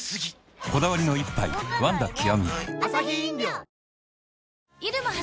こだわりの一杯「ワンダ極」